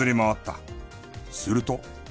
すると。